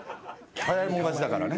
早い者勝ちだからね。